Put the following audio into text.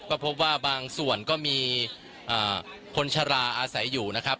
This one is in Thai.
ก็พบว่าบางส่วนก็มีคนชะลาอาศัยอยู่นะครับ